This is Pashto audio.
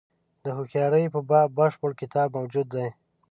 د هوښیاري په باب بشپړ کتاب موجود دی.